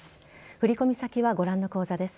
振り込み先はご覧の口座です。